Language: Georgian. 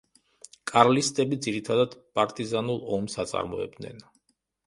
კარლისტები ძირითადად პარტიზანულ ომს აწარმოებდნენ.